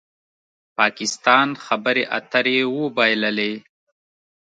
پاکستان خبرې اترې وبایللې